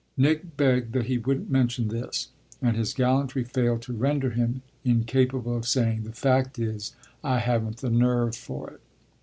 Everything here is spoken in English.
Nick begged that he wouldn't mention this, and his gallantry failed to render him incapable of saying: "The fact is I haven't the nerve for it."